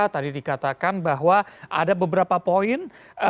tadi dikatakan bahwa ada beberapa poin